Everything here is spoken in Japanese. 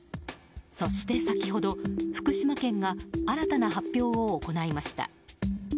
そして先ほど、福島県が新たな発表を行いました。